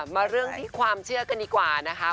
มาเรื่องที่ความเชื่อกันดีกว่านะคะ